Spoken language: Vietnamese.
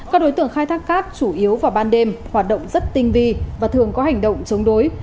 các đối tượng khai thác cát chủ yếu vào ban đêm hoạt động rất tinh vi và thường có hành động chống đối